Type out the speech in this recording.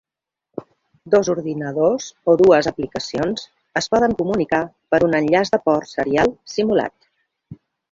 Dos ordinadors o dues aplicacions es poden comunicar per un enllaç de port serial simulat.